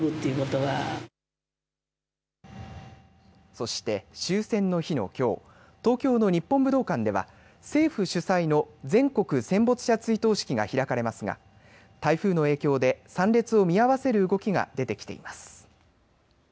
そして終戦の日のきょう、東京の日本武道館では政府主催の全国戦没者追悼式が開かれますが台風の影響で参列を見合わせる動きが出てきています。